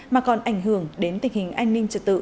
mà còn ảnh hưởng đến tình hình an ninh trật tự